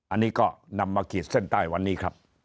อันนี้ก็นำมาขีดเส้นใต้วันนี้ครับ